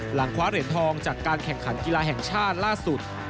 คว้าเหรียญทองจากการแข่งขันกีฬาแห่งชาติล่าสุด